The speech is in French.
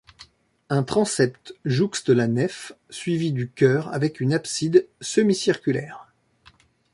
Un transept jouxte la nef, suivi du chœur avec une abside semi-circulaire.